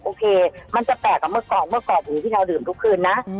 โอเคมันจะแตกต่อเมื่อกรอบเมื่อกรอบหรือพี่เท้าดื่มทุกคืนนะ